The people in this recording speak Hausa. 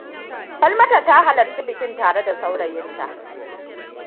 Falmata ta halarci bikin tare da saurayinta.